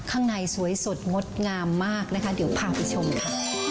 ข้างในสวยสดงดงามมากนะคะเดี๋ยวพาไปชมค่ะ